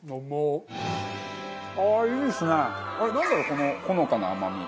このほのかな甘み。